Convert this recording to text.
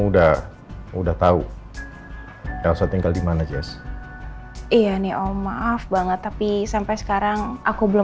udah udah tahu ya usah tinggal di mana yes iya nih om maaf banget tapi sampai sekarang aku belum